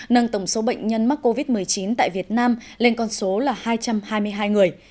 nâng tổng số bệnh nhân mắc covid một mươi chín tại việt nam lên con số là hai trăm hai mươi hai người